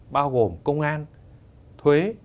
bao gồm công an thuế